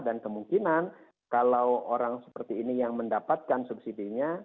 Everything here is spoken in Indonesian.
dan kemungkinan kalau orang seperti ini yang mendapatkan subsidi nya